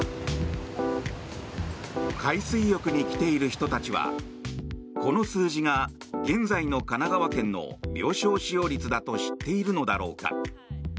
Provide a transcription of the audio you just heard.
海水浴に来ている人たちはこの数字が現在の神奈川県の病床使用率だと知っているのだろうか。